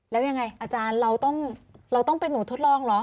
แล้วยังไงอาจารย์เราต้องเป็นหนูทดลองเหรอ